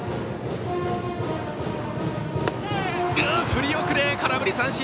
振り遅れ、空振り三振。